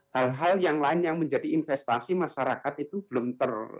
hal hal yang lain yang menjadi investasi masyarakat itu belum ter